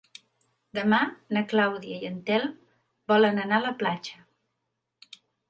Demà na Clàudia i en Telm volen anar a la platja.